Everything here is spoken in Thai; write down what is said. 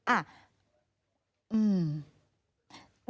อ้าวอืม